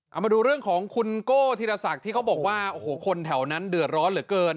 เอามาดูเรื่องของคุณโก้ธีรศักดิ์ที่เขาบอกว่าโอ้โหคนแถวนั้นเดือดร้อนเหลือเกิน